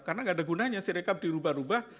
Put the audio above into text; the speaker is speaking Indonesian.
karena tidak ada gunanya sirikap dirubah rubah